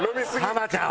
ハマちゃん！